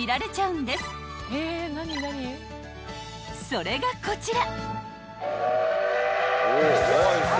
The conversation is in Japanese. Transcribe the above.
［それがこちら］